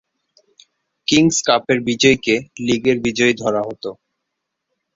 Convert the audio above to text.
Kings কাপের বিজয়ীকে লীগের বিজয়ী ধরা হতো।